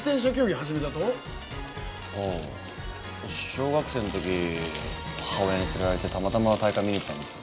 小学生のとき母親に連れられてたまたま大会見に行ったんです。